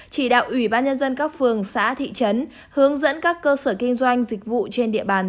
chỉ đạo ủy ban nhân dân các phường xã thị trấn hướng dẫn các cơ sở kinh doanh dịch vụ trên địa bàn